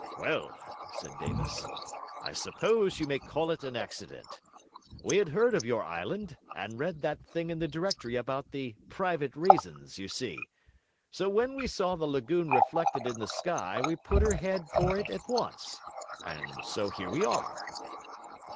'Well,' said Davis, 'I suppose you may call it an accident. We had heard of your island, and read that thing in the Directory about the PRIVATE REASONS, you see; so when we saw the lagoon reflected in the sky, we put her head for it at once, and so here we are.'